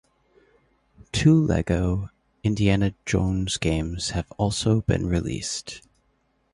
Two Lego Indiana Jones games have also been released.